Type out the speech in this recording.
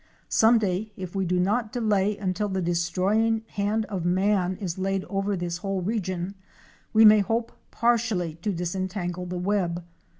Some day, if we do not delay until the destroying hand of man is laid over this whole region, we may hope partially to disentangle the web.